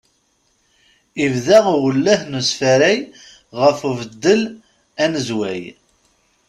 Ibda uwelleh n ussefrey ɣef ubeddel anezway.